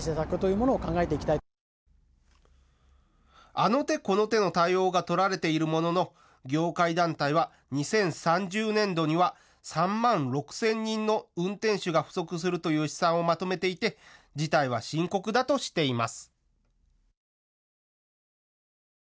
あの手、この手の対応が取られているものの業界団体は２０３０年度には３万６０００人の運転手が不足するという試算をまとめていて事態は深刻だとしています。